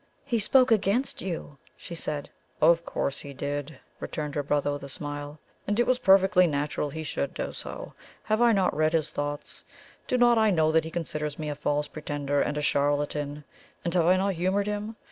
"He spoke against you," she said. "Of course he did," returned her brother with a smile. "And it was perfectly natural he should do so. Have I not read his thoughts? Do not I know that he considers me a false pretender and CHARLATAN? And have I not humoured him?